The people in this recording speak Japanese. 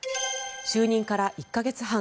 就任から１か月半。